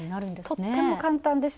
とっても簡単でした。